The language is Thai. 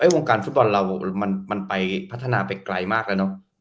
วงการฟุตบอลเรามันไปพัฒนาไปไกลมากแล้วเนอะ